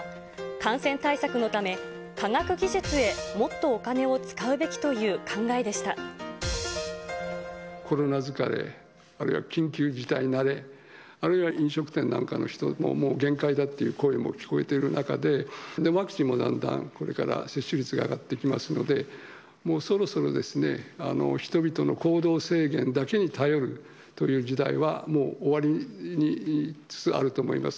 感染対策のため、科学技術へもっとお金を使うべきという考えでしコロナ疲れ、あるいは緊急事態慣れ、あるいは飲食店なんかの人ももう限界だという声も聞こえている中で、ワクチンもだんだんこれから接種率が上がってきますので、もうそろそろですね、人々の行動制限だけに頼るという時代はもう終わりつつあると思います。